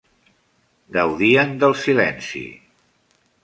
Gaudien del silenci.